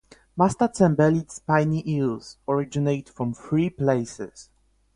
Mastacembelid Spiny eels originate from three places.